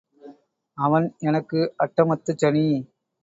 அவன் எனக்கு அட்டமத்துச் சனி.